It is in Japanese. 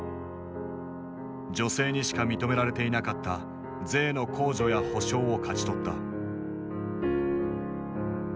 女性にしか認められていなかった税の控除や保障を勝ち取った。